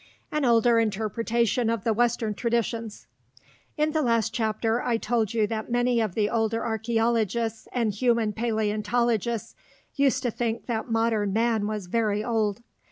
AN OLDER INTERPRETATION OF THE WESTERN TRADITIONS In the last chapter, I told you that many of the older archeologists and human paleontologists used to think that modern man was very old.